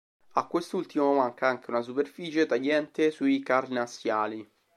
A quest'ultimo manca anche una superficie tagliente sui carnassiali.